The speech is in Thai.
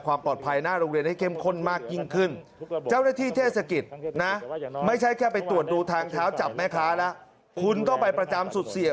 บางคนมาถึงได้ตั้งแต่ตี๕ฟ้า